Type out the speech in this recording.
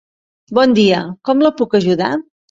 Bon dia, com la puc ajudar?